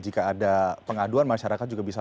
jika ada pengaduan masyarakat juga bisa